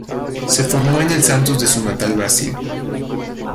Se formo en el Santos de su natal Brasil.